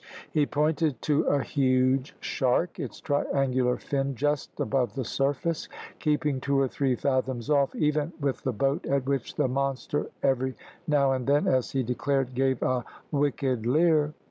He pointed to a huge shark, its triangular fin just above the surface, keeping two or three fathoms off, even with the boat, at which the monster every now and then, as he declared, gave a wicked leer.